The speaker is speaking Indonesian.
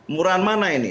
murahan mana ini